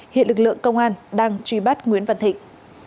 hiện lực lượng công an đang truy bắt nguyễn văn thịnh